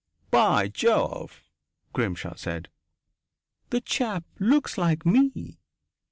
"By Jove!" Grimshaw said. "The chap looks like me!